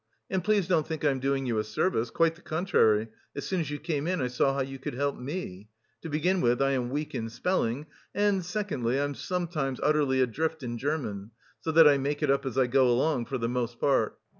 And please don't think I am doing you a service; quite the contrary, as soon as you came in, I saw how you could help me; to begin with, I am weak in spelling, and secondly, I am sometimes utterly adrift in German, so that I make it up as I go along for the most part.